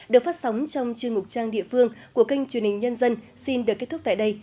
được phát sóng trong chuyên mục trang địa phương của kênh truyền hình nhân dân xin được kết thúc tại đây